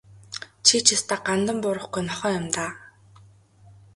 Чи ч ёстой гандан буурахгүй нохой юм даа.